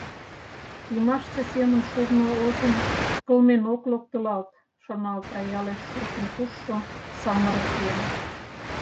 Ӱмашсе семын шурно озым кылмен ок локтылалт», — шоналта ялеш шочын-кушшо самырык еҥ.